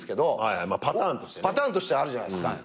パターンとしてあるじゃないですか。